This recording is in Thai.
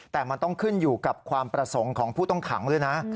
แต่มันต้องขึ้นอยู่กับความประสงค์ของผู้ต้องขังด้วยนะ